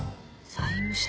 債務者？